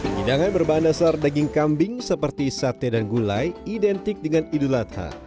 hidangan berbahan dasar daging kambing seperti sate dan gulai identik dengan idul adha